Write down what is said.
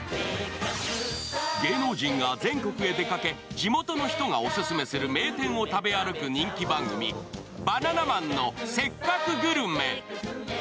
芸能人が全国へ出かけて、地元の人がオススメする名店を食べ歩く人気番組「バナナマンのせっかくグルメ！！」。